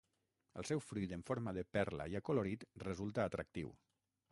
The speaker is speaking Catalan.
El seu fruit en forma de perla i acolorit resulta atractiu.